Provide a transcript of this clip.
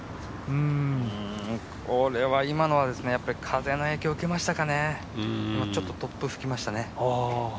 今のは風の影響を受けましたかね、ちょっと突風吹きましたかね。